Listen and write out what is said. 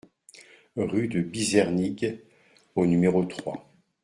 Rue de Bizernig au numéro trois